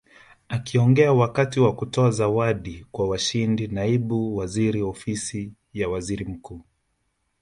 Akiongea wakati wa kutoa zawadi kwa washindi Naibu Waziri Ofisi ya Waziri Mkuu